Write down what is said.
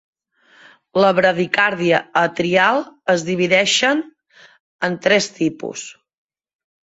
La bradicàrdia atrial es divideixen en tres tipus.